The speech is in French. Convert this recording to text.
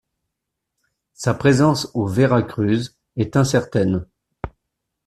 Sa présence au Veracruz est incertaine.